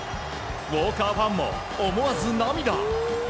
ウォーカーファンも思わず涙。